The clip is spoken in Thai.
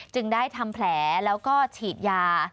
จึงได้ทำแผลแล้วก็ฉีดยา